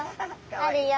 あるよ。